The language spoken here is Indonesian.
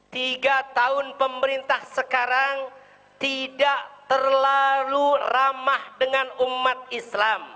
tiga tahun pemerintah sekarang tidak terlalu ramah dengan umat islam